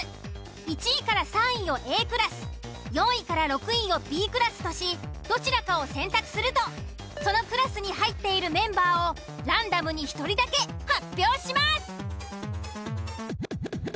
１位３位をＡクラス４位６位をＢクラスとしどちらかを選択するとそのクラスに入っているメンバーをランダムに１人だけ発表します。